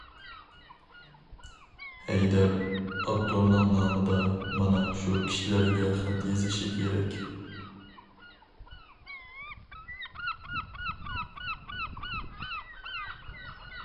ھەيدەر، ئاپتورنىڭ نامىدا مانا شۇ كىشىلەرگە خەت يېزىشى كېرەك.